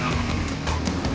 ya nggak urban